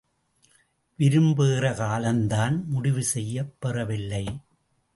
விரும்புகிற காலம் தான் முடிவு செய்யப் பெறவில்லை!